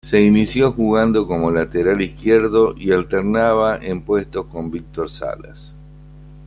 Se inició jugando como lateral izquierdo y alternaba el puesto con Víctor Salas.